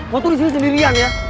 mau turun sini sendirian ya